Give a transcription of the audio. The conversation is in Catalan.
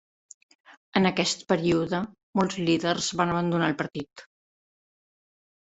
En aquest període molts líders van abandonar el partit.